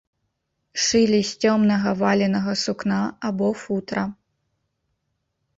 Шылі з цёмнага валенага сукна або футра.